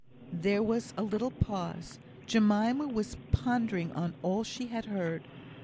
There was a little pause. Jemima was pondering on all she had heard.